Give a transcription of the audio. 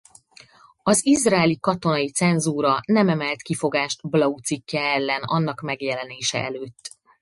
Az izraeli katonai cenzúra nem emelt kifogást Blau cikke ellen annak megjelenése előtt.